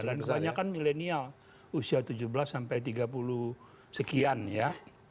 dan kebanyakan milenial usia tujuh belas tiga puluh sekian ya